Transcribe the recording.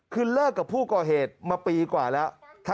คือเลิกกับผู้ก่อเหตุมาปีกว่าแล้ว